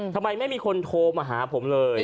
ทำไมไม่มีคนโทรมาหาผมเลย